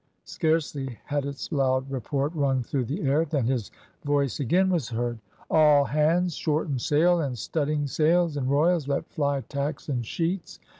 Scarcely had its loud report rung through the air, than his voice again was heard "All hands, shorten sail! In studding sails and royals. Let fly tacks and sheets."